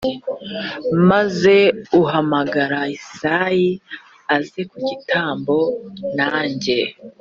maze uhamagare yesayi aze ku gitambo nanjye